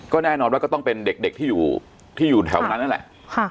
แน่นอนว่าก็ต้องเป็นเด็กที่อยู่ที่อยู่แถวนั้นนั่นแหละ